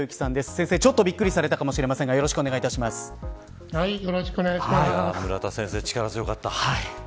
先生、ちょっとびっくりされたかもしれませんが村田先生、力強かった。